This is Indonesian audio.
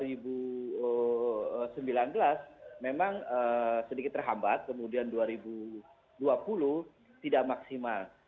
pembebasan lahan di tahun dua ribu sembilan belas memang sedikit terhambat kemudian dua ribu dua puluh tidak maksimal